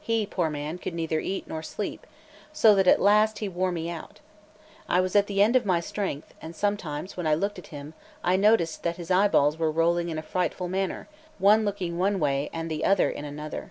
He, poor man, could neither eat nor sleep; so that at last he wore me out. I was at the end of my strength; and sometimes when I looked at him, I noticed that his eyeballs were rolling in a frightful manner, one looking one way and the other in another.